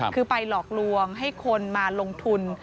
คือไปหลอกลวงให้คนมาลงทุน